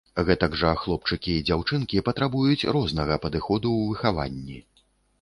Гэтак жа хлопчыкі і дзяўчынкі патрабуюць рознага падыходу ў выхаванні.